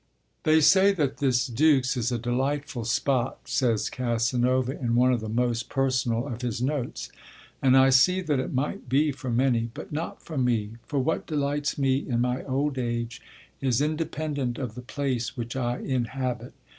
'They say that this Dux is a delightful spot,' says Casanova in one of the most personal of his notes, 'and I see that it might be for many; but not for me, for what delights me in my old age is independent of the place which I inhabit.